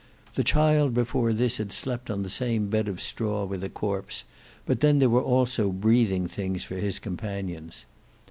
The child before this had slept on the same bed of straw with a corpse, but then there were also breathing beings for his companions.